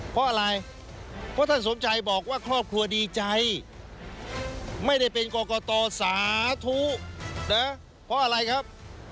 เพราะอะไรเพราะท่านสมชัยบอกว่าครอบครัวดีใจไม่ได้เป็นกรกตสาธุนะเพราะอะไรครับ